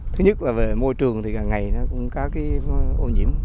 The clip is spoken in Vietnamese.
thứ nhất là về môi trường thì ngày gần này cũng có ô nhiễm